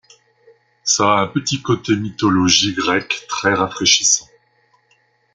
ça a un petit côté mythologie grecque très rafraîchissant.